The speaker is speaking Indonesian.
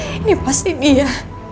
ini pasti dia